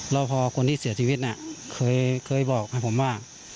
แล้วพอคนที่เสียชีวิตเคยบอกให้ผมว่า